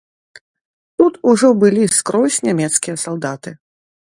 Тут ужо былі скрозь нямецкія салдаты.